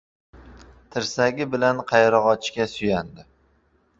Tirsagi bilan qayrag‘ochga suyandi.